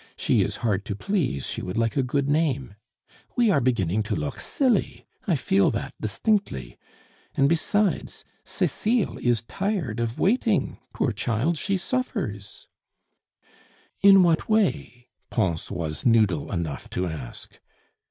She is hard to please, she would like a good name ' We are beginning to look silly; I feel that distinctly. And besides, Cecile is tired of waiting, poor child, she suffers " "In what way?" Pons was noodle enough to ask.